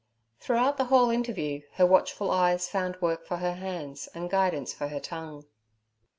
Throughout the whole interview, her watchful eyes found work for her hands and guidance for her tongue.